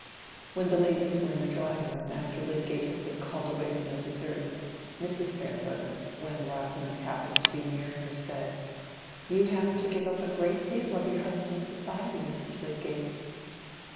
When the ladies were in the drawing room after Lydgate had been called away from the dessert, Mrs. Farebrother, when Rosamond happened to be near her, said—"You have to give up a great deal of your husband's society, Mrs. Lydgate."